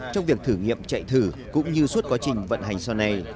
trong việc thử nghiệm chạy thử cũng như suốt quá trình vận hành sau này